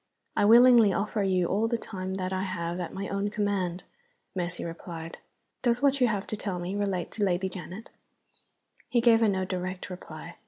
"I willingly offer you all the time that I have at my own command," Mercy replied. "Does what you have to tell me relate to Lady Janet?" He gave her no direct reply.